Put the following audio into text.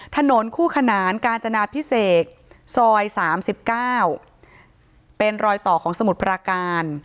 ถนนคู่ขนานกาญจนาพิเศษซอย๓๙เป็นรอยต่อของสมุทรปราการ